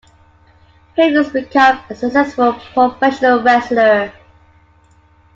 Hercules becomes a successful professional wrestler.